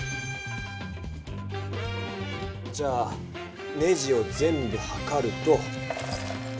じゃあネジを全部はかると。